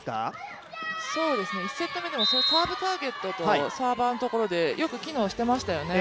１セット目にもサーブターゲットとサーバーのところでよく機能していましたよね。